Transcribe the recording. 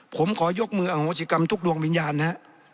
ผมขอยกมืออังกษิกรรมทุกดวงวิญญาณน่ะ